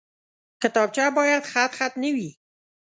کتابچه باید خطخط نه وي